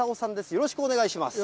よろしくお願いします。